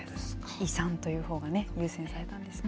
遺産というほうがね、優先されたんですね。